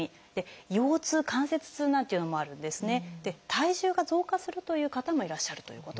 体重が増加するという方もいらっしゃるということ。